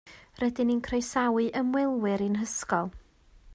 Rydyn ni'n croesawu ymwelwyr i'n hysgol